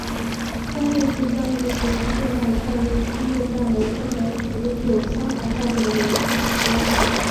分位数将一个随机变量的概率分布范围分为几个具有相同概率的连续区间。